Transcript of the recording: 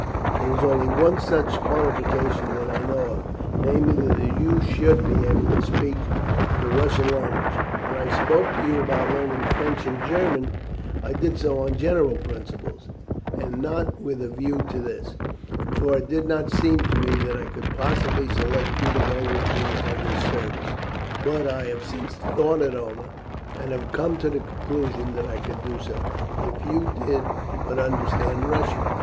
There is only one such qualification that I know of, namely, that you should be able to speak the Russian language. When I spoke to you about learning French and German I did so on general principles, and not with a view to this, for it did not seem to me that I could possibly select you to go with me on this service; but I have since thought it over, and have come to the conclusion that I could do so, if you did but understand Russian.